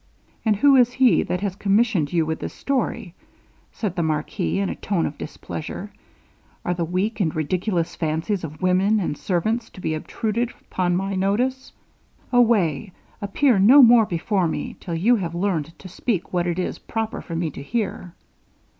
'And who is he that has commissioned you with this story?' said the marquis, in a tone of displeasure; 'are the weak and ridiculous fancies of women and servants to be obtruded upon my notice? Away appear no more before me, till you have learned to speak what it is proper for me to hear.'